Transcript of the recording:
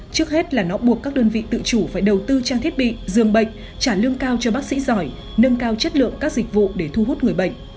trước hết là nó buộc các đơn vị tự chủ phải đầu tư trang thiết bị dường bệnh trả lương cao cho bác sĩ giỏi nâng cao chất lượng các dịch vụ để thu hút người bệnh